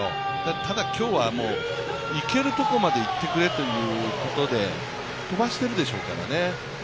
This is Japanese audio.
ただ、今日はいけるところまでいってくれということで飛ばしているでしょうからね。